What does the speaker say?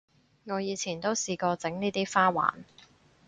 我以前都試過整呢啲花環